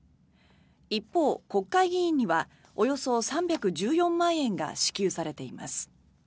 一方、国会議員にはおよそ３１４万円が支給されています。